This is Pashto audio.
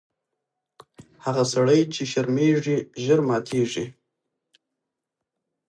هغه سړی چي شرمیږي ژر ماتیږي.